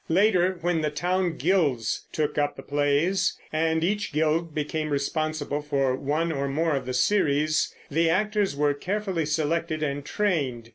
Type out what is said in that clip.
Later, when The town guilds took up the plays and each guild became responsible for one or more of the series, the actors were carefully selected and trained.